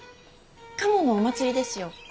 賀茂のお祭りですよ。